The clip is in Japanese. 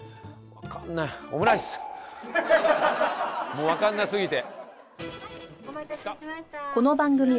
もうわかんなすぎて。